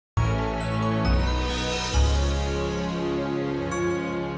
terima kasih gusti prabu